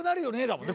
だもんね